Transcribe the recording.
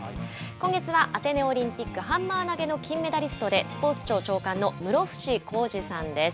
今月はアテネオリンピックハンマー投げの金メダリストで、スポーツ庁長官の室伏広治さんです。